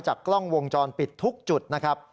กล้องวงจรปิดทุกจุดนะครับ